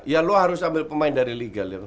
ya lu harus ambil pemain dari liga